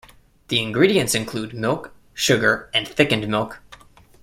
The ingredients include milk, sugar and thickened milk.